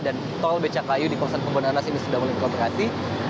dan tol becakayu di kawasan kebonanas ini sudah mulai inkoperasi